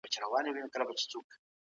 په شاهنامه کي د څو ودونو يادونه سوې ده؟